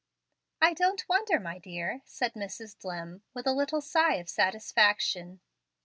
"I don't wonder, my dear," said Mrs. Dlimm, with a little sigh of satisfaction.